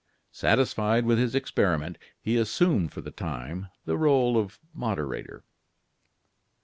Satisfied with his experiment, he assumed, for the time, the role of moderator.